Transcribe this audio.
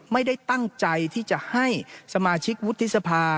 ไม่ได้ตั้งใจที่จะให้สมาชิกวุฒิสภา